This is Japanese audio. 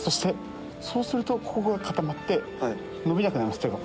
そうするとここが固まって伸びなくなります手が。